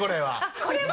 これは。